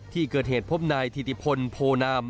ที่เกิดเหตุพบนายธิติพลโพนาม